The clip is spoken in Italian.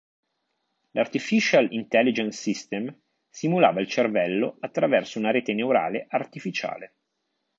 L'Artificial Intelligence System simulava il cervello attraverso una rete neurale artificiale.